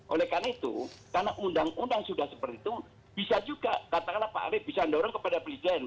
oleh karena itu karena undang undang sudah seperti itu bisa juga katakanlah pak arief bisa mendorong kepada presiden